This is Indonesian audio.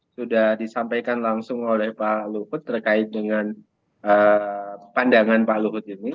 sudah disampaikan langsung oleh pak luhut terkait dengan pandangan pak luhut ini